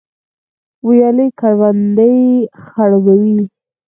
ویالې کروندې خړوبوي